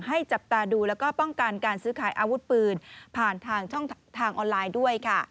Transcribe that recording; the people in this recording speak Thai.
จับตาดูแล้วก็ป้องกันการซื้อขายอาวุธปืนผ่านทางช่องทางออนไลน์ด้วยค่ะ